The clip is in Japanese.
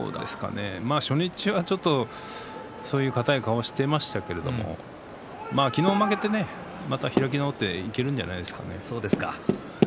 初日はちょっと硬い顔をしていましたけれども昨日負けてねまた開き直っていけるんじゃないですかね。